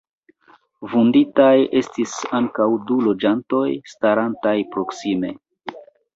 Vunditaj estis ankaŭ du loĝantoj starantaj proksime.